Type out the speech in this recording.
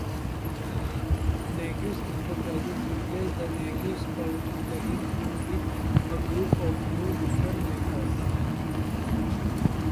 Nagios Enterprises replaced the nagios-plugins team with a group of new, different members.